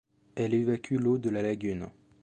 Elle évacue de l'eau de la lagune.